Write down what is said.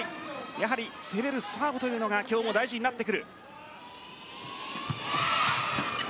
やはり攻めるサーブというのが今日も大事になってくる。